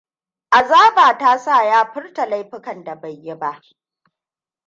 Azaban yasa ya furta laifukan da bai yi ba.